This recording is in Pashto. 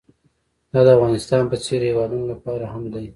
دا د افغانستان په څېر هېوادونو لپاره هم دی.